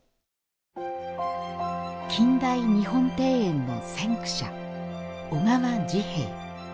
近代日本庭園の先駆者小川治兵衛。